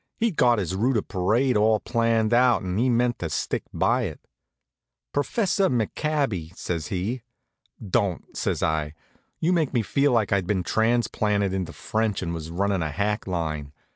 He'd got his route of parade all planned out and he meant to stick by it. "Professeur McCabby " says he. "Don't," says I. "You make me feel like I'd been transplanted into French and was runnin' a hack line.